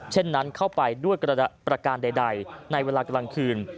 เช่นนั้นเข้าไปด้วยประการใดในเวลากลางคืน